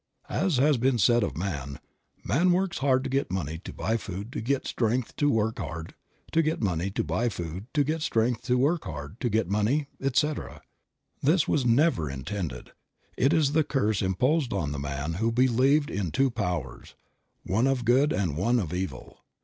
As has been said of man, "Man works hard to get money to buy food to get strength to work hard to get money to buy food to get strength to work hard to get money, etc." This was never intended ; it is the curse imposed on the man who believed in two powers, one of good and one of evil.